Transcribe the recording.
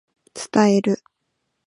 伝える